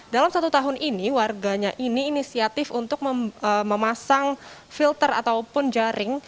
dalam satu tahun ini warganya ini inisiatif untuk memasang filter ataupun jaring